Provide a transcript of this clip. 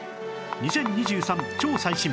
２０２３超最新！